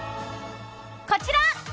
こちら！